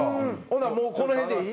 ほなもうこの辺でいい？